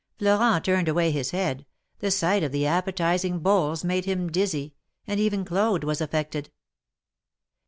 Florent turned away his head — the sight of the appetizing bowls made him dizzy, and even Claude was affected.